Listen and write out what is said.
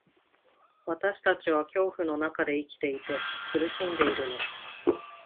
私たちは恐怖の中で生きていて、苦しんでいるの。